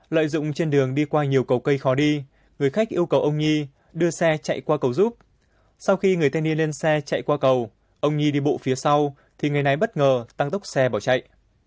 lợi dụng trên đường đi qua nhiều cầu cây khó đi người khách yêu cầu ông nhi đưa xe chạy qua cầu giúp sau khi người thanh niên lên xe chạy qua cầu ông nhi đi bộ phía sau thì người này bất ngờ tăng tốc xe bỏ chạy